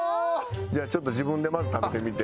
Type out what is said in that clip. ちょっと自分でまず食べてみて。